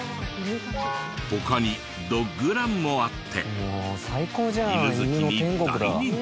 他にドッグランもあって犬好きに大人気。